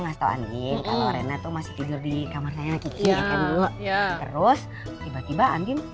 ngasih tahu angin kalau renato masih tidur di kamarnya kiki ya terus tiba tiba angin